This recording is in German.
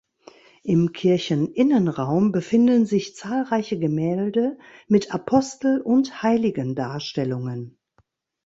Im Kircheninnenraum befinden sich zahlreiche Gemälde mit Apostel- und Heiligendarstellungen.